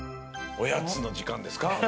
おやつのじかんですか？